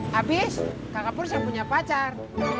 habis kak kapur saya punya pacar